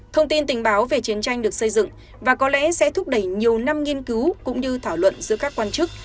thông tin tình báo về chiến tranh được xây dựng và có lẽ sẽ thúc đẩy nhiều năm nghiên cứu cũng như thảo luận giữa các quan chức